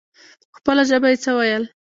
په خپله ژبه يې څه ويل.